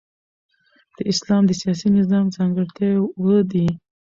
د اسلام د سیاسي نظام ځانګړتیاوي اووه دي.